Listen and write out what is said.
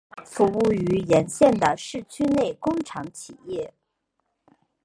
服务于沿线的市区内工厂企业。